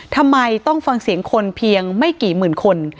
ทำไมต้องฟังเสียงคนเพียงไม่กี่หมื่นคน